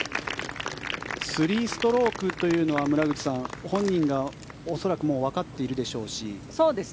３ストロークというのは村口さん本人が恐らくもうわかっているでしょうし。